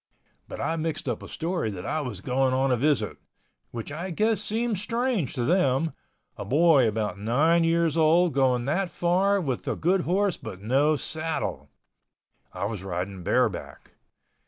But I mixed up a story that I was going on a visit, which I guess seemed strange to them—a boy about nine years old going that far with a good horse but no saddle. I was riding bareback.